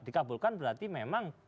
dikabulkan berarti memang